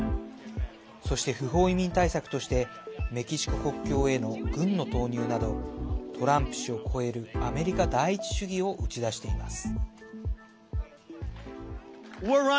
そして、不法移民対策としてメキシコ国境への軍の投入などトランプ氏を超えるアメリカ第一主義を打ち出しています。